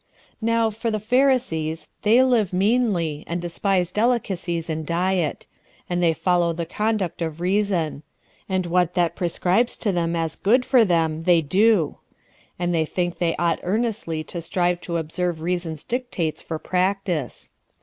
3. Now, for the Pharisees, they live meanly, and despise delicacies in diet; and they follow the conduct of reason; and what that prescribes to them as good for them they do; and they think they ought earnestly to strive to observe reason's dictates for practice.